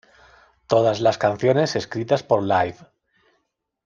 Todas las canciones escritas por Live.